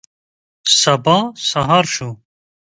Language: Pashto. سبا سهار شو.